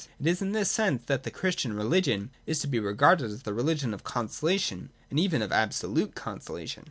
It is in this sense that the Christian religion is to be regarded as the religion of conso lation, and even of absolute consolation.